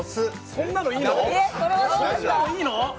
そんなのいいの？